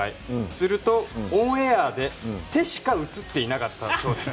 するとオンエアで手しか映っていなかったそうです。